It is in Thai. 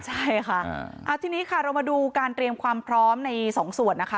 ใช่ค่ะทีนี้ค่ะเรามาดูการเตรียมความพร้อมในสองส่วนนะคะ